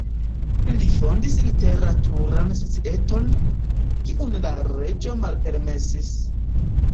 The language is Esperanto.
Li fondis literaturan societon, kiun la reĝo malpermesis.